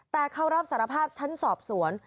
แต่เขารับสารภาพชั้นสอบสวน